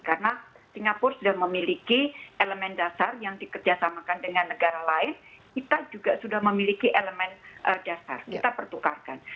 karena singapura sudah memiliki elemen dasar yang dikerjasamakan dengan negara lain kita juga sudah memiliki elemen dasar kita pertukarkan